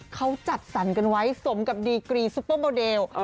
เขาจัดสรรกันไว้สมกับดีกรีซุปเปอร์โมเดล